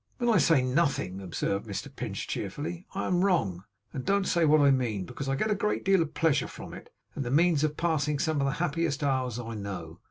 'When I say nothing,' observed Mr Pinch, cheerfully, 'I am wrong, and don't say what I mean, because I get a great deal of pleasure from it, and the means of passing some of the happiest hours I know.